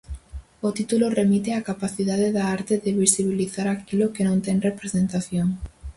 O título remite á capacidade da arte de visibilizar aquilo que non ten representación.